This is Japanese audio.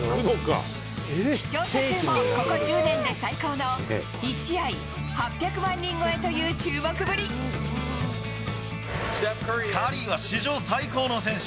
視聴者数もここ１０年で最高の１試合８００万人超えという注目カリーは史上最高の選手。